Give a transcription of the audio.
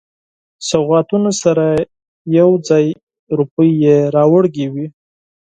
سوغاتونو سره یو ځای روپۍ راوړي وې.